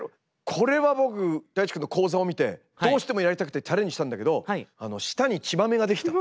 これは僕Ｄａｉｃｈｉくんの講座を見てどうしてもやりたくてチャレンジしたんだけど舌に血まめが出来た。